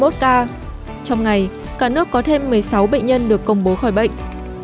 trong ngày cả nước có thêm một mươi sáu bệnh nhân được công bố khỏi bệnh